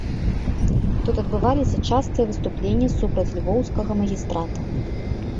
Тут адбываліся частыя выступленні супраць львоўскага магістрата.